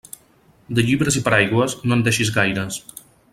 De llibres i paraigües, no en deixes gaires.